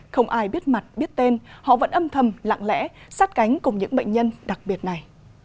không ai biết mặt biết tên họ vẫn âm thầm lặng lẽ sát cánh cùng những bệnh nhân đặc biệt này